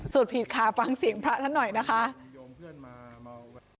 ผิดค่ะฟังเสียงพระท่านหน่อยนะคะ